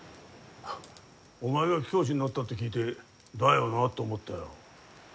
お前が教師になったって聞いてだよなと思ったよ